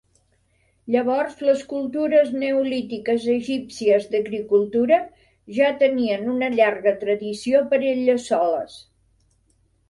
Llavors les cultures neolítiques egípcies d'agricultura ja tenien una llarga tradició per elles soles.